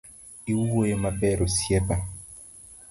Iwuoyo maber osiepa.